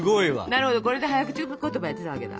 なるほどこれで早口ことばやってたわけだ。